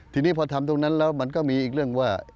ทีนี้พอทำตรงนั้นแล้วมันก็มีอีกเรื่องว่า